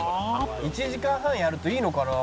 「１時間半やるといいのかな？」